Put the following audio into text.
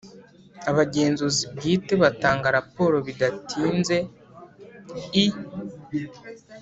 Abagenzuzi bwite batanga raporo bidatinze i